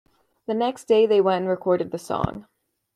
The next day they went and recorded the song.